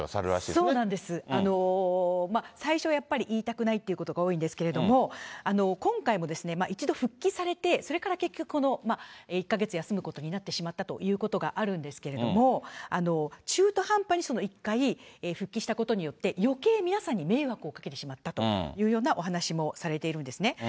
そうなんです、最初はやっぱり言いたくないってことが多いんですけれども、今回も一度、復帰されて、それから結局、１か月休むことになってしまったということがあるんですけれども、中途半端に一回復帰したことによって、よけい、皆さんに迷惑をかけてしまったというようなお話もされているんですね。